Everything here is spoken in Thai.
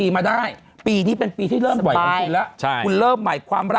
มีแฟนสวยใช่ไหมฮะ